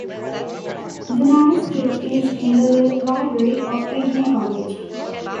The manuscript is in the library of Eton College.